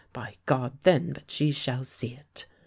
By God, then, but she shall see it!